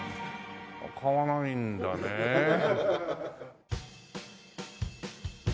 あっ買わないんだねえ。